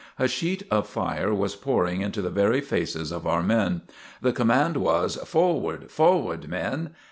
A sheet of fire was pouring into the very faces of our men. The command was: "Forward! Forward men!"